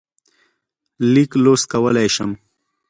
لیک لوست کولای شم.